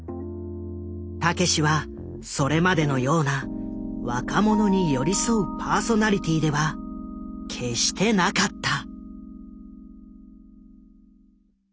たけしはそれまでのような若者に寄り添うパーソナリティーでは決してなかった。